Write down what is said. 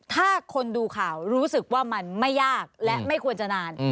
ถ้าคนดูข่าวรู้สึกว่ามันไม่ยากและไม่ควรจะนาน